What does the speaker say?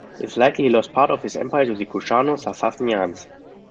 It is likely he lost part of his empire to the Kushano-Sassanians.